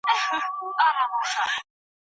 د نظر اختلاف ته زغم شتون درلود.